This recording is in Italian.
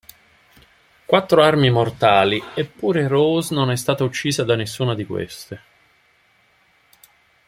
Quattro armi mortali, eppure Rose non è stata uccisa da nessuna di queste.